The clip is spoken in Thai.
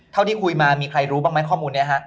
ที่คุยมามีใครรู้บ้างไหมข้อมูลนี้ฮะ